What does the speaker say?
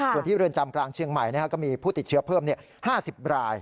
ส่วนที่เรือนจำกลางเชียงใหม่ก็มีผู้ติดเชื้อเพิ่ม๕๐ราย